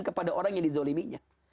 kepada orang yang dizaliminya